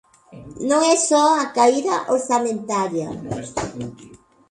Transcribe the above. Non é só a caída orzamentaria.